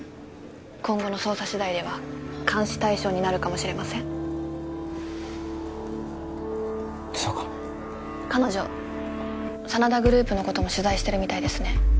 今後の捜査次第では監視対象になるかもしれませんそうか彼女真田グループのことも取材してるみたいですね